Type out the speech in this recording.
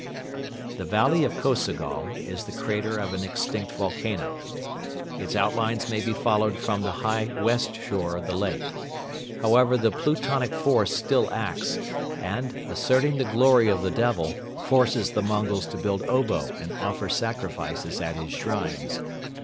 The valley of Kosogol is the crater of an extinct volcano. Its outlines may be followed from the high west shore of the lake. However, the Plutonic force still acts and, asserting the glory of the Devil, forces the Mongols to build obo and offer sacrifices at his shrines.